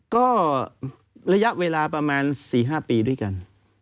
ก็ระยะเวลาประมาณ๔๕ปีด้วยกัน